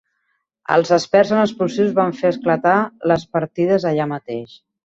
Els experts en explosius van fer esclatar les partides allà mateix.